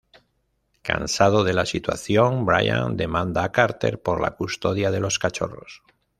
Cansado de la situación, Brian demanda a Carter por la custodia de los cachorros.